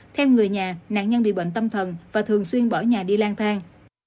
theo người nhà nạn nhân bị bệnh tâm thần và thường xuyên bỏ nhà đi lang thang